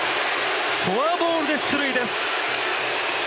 フォアボールで出塁です。